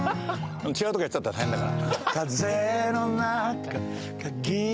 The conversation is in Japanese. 違うとこやっちゃったら大変だから。